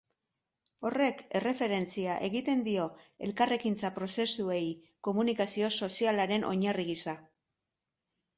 Horrek erreferentzia egiten dio elkarrekintza prozesuei, komunikazio sozialaren oinarri gisa.